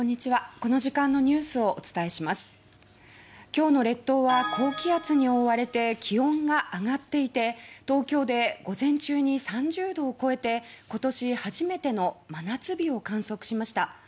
今日の列島は高気圧に覆われて気温が上がっていて東京で午前中に３０度を超えて今年初めての真夏日を観測しました。